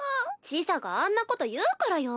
千紗があんなこと言うからよ。